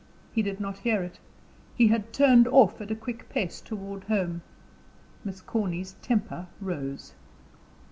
He did not hear it; he had turned off at a quick pace toward home. Miss Corny's temper rose.